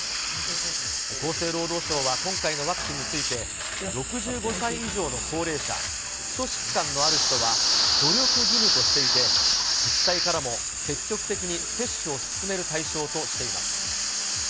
厚生労働省は今回のワクチンについて、６５歳以上の高齢者、基礎疾患のある人は努力義務としていて、自治体からも積極的に接種を勧める対象としています。